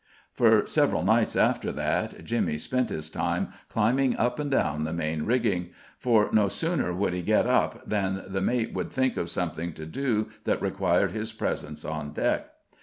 For several nights after that Jimmy spent his time climbing up and down the main rigging, for no sooner would he get up than the mate would think of something to do that required his presence on deck.